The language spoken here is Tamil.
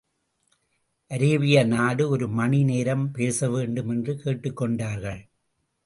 அரேபியா நாடு ஒரு மணி நேரம் பேசவேண்டும் என்று கேட்டுக் கொண்டார்கள்.